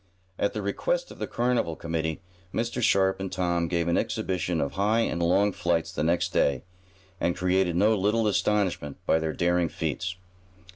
At the request of the carnival committee, Mr. Sharp and Tom gave an exhibition of high and long flights the next day, and created no little astonishment by their daring feats.